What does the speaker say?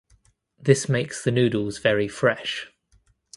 This makes the noodles very fresh.